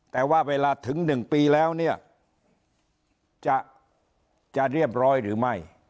แต่ว่าเวลาถึง๑ปีแล้วเนี่ยจะเรียบร้อยหรือไม่